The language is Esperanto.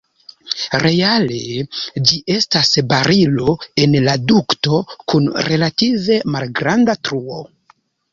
Reale ĝi estas barilo en la dukto kun relative malgranda truo.